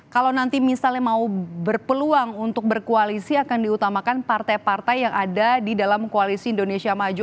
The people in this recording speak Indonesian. kalau nanti misalnya mau berpeluang untuk berkoalisi akan diutamakan partai partai yang ada di dalam koalisi indonesia maju